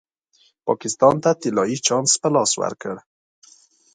پاکستان ته طلايي چانس په لاس ورکړ.